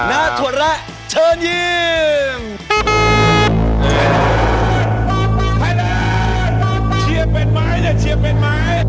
หน้าถวดและเชิญยิม